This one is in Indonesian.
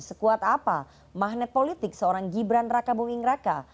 sekuat apa magnet politik seorang gibran raka bumingraka